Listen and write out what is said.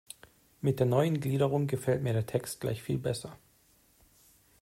Mit der neuen Gliederung gefällt mir der Text gleich viel besser.